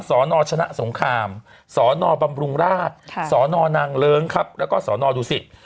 สนชนะสงครามสนบำรุงราชสนนางเลิ้งครับแล้วก็สนดูสิต